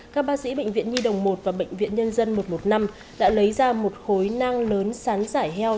các bác sĩ bệnh viện nhi đồng một và bệnh viện nhân dân một trăm một mươi năm đã lấy ra một khối nang lớn sán giải heo